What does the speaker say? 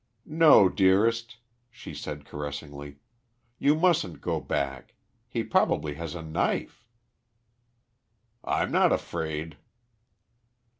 "No, dearest," she said caressingly; "you mustn't go back. He probably has a knife." "I'm not afraid."